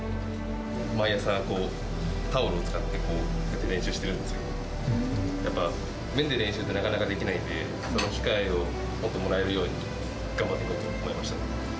毎朝、こうタオルを使って、こう練習してるんですけど、やっぱ麺で練習ってなかなかできないので、その機会をもっともらえるように、頑張っていこうと思いました。